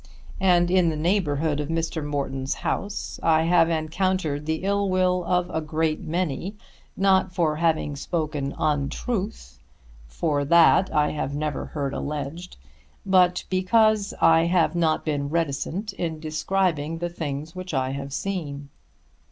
And in the neighbourhood of Mr. Morton's house, I have encountered the ill will of a great many, not for having spoken untruth, for that I have never heard alleged, but because I have not been reticent in describing the things which I have seen.